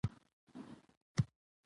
ژوند د انسان د باور ځواک ازمېيي.